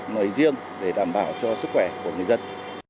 nơi riêng để đảm bảo cho sức khỏe của người dân